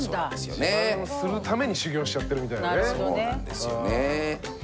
自慢をするために修行しちゃってるみたいなね。